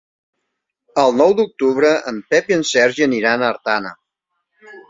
El nou d'octubre en Pep i en Sergi aniran a Artana.